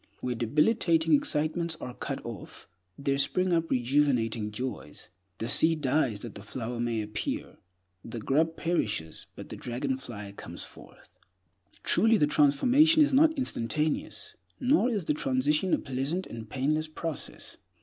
Where debilitating excitements are cut off, there spring up rejuvenating joys. The seed dies that the flower may appear; the grub perishes, but the dragonfly comes forth. Truly, the transformation is not instantaneous; nor is the transition a pleasant and painless process.